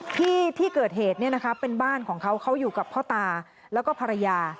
ที่เกิดเหตุเป็นบ้านของเขาเขาอยู่กับพ่อตาแล้วก็ภรรยา